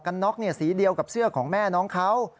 น็อกสีเดียวกับเสื้อของแม่น้องเขา